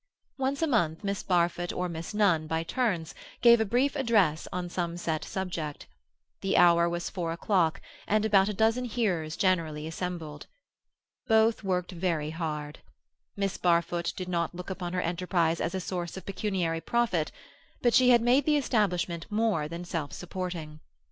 Once a month Miss Barfoot or Miss Nunn, by turns, gave a brief address on some set subject; the hour was four o'clock, and about a dozen hearers generally assembled. Both worked very hard. Miss Barfoot did not look upon her enterprise as a source of pecuniary profit, but she had made the establishment more than self supporting.